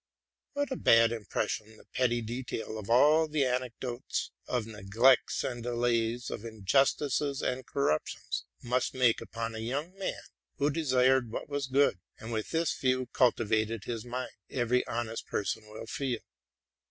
What a bad impression the petty detail of all the anecdotes of neglects and delays, of injustices and corruptions, must inuke upon a young man who desired what was good, and with this view cultivated his mind, every honest person will feel.